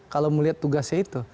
kalau melihat tugasnya itu